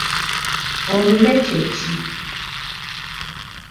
Olume kye ki?